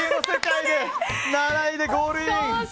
７位でゴールイン。